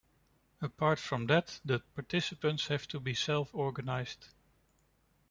Apart from that, the participants have to be self organized.